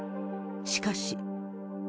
しかし。